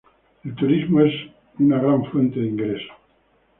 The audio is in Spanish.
El turismo es gran fuente de ingresos.